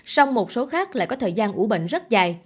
song một số khác lại có thời gian ủ bệnh rất dài